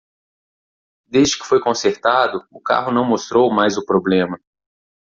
Desde que foi consertado, o carro não mostrou mais o problema.